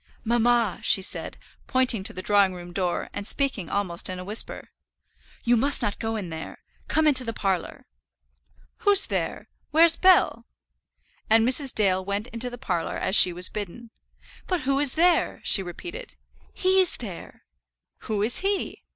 "Mamma," she said, pointing to the drawing room door, and speaking almost in a whisper, "you must not go in there; come into the parlour." "Who's there? Where's Bell?" and Mrs. Dale went into the parlour as she was bidden. "But who is there?" she repeated. "He's there!" "Who is he?"